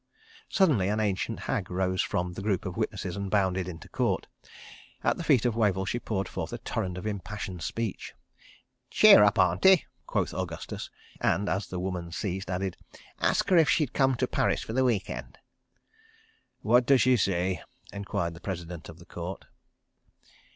Suddenly an ancient hag arose from the group of witnesses and bounded into Court. At the feet of Wavell she poured forth a torrent of impassioned speech. "Cheer up, Auntie!" quoth Augustus, and as the woman ceased, added: "Ask her if she'd come to Paris for the week end." "What does she say?" enquired the President of the Court.